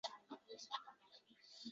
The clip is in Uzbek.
Yaxshi bo`pti